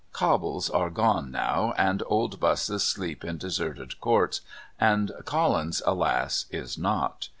Cobbles are gone now, and old buses sleep in deserted courts, and Collins, alas, is not.